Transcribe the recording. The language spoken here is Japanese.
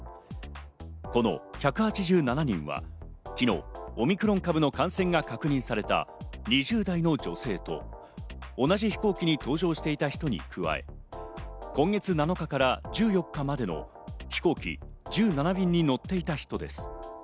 この１８７人は昨日、オミクロン株の感染が確認された２０代の女性と同じ飛行機に搭乗していた人に加え、今月７日から１４日までの飛行機１７便に乗っていた人です。